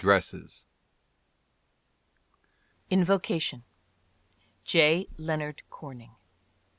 Eyre, 45 (19) INVOCATION: J. Leonard Corning.